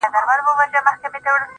زه خو پاچا نه؛ خپلو خلگو پر سر ووهلم.